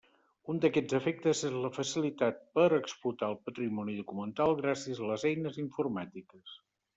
Un d'aquests efectes és la facilitat per explotar el patrimoni documental gràcies a les eines informàtiques.